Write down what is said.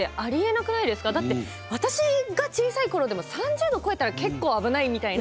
だって私が小さい頃でも３０℃超えたら結構危ないみたいな。